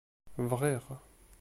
Ɣriɣ.